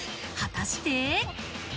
果たして。